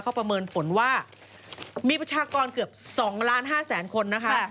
เขาประเมินผลว่ามีประชากรเกือบ๒ล้าน๕แสนคนนะคะ